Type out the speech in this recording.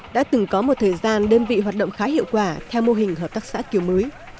đã từng có một thời gian đơn vị hoạt động khá hiệu quả theo mô hình hợp tác xã kiểu mới